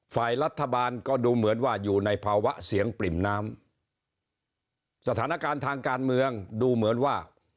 ฝ่ายรัฐบาลก็ดูเหมือนว่าอยู่ในภาวะเสียงปริ่มน้ำสถานการณ์ทางการเมืองดูเหมือนว่า